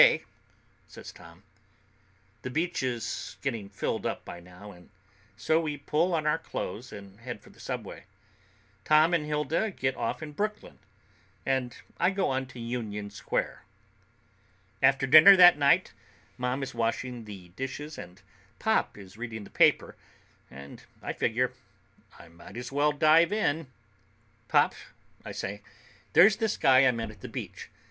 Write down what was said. K.," says Tom. The beach is getting filled up by now, so we pull on our clothes and head for the subway. Tom and Hilda get off in Brooklyn, and I go on to Union Square. After dinner that night Mom is washing the dishes and Pop is reading the paper, and I figure I might as well dive in. "Pop," I say, "there's this guy I met at the beach.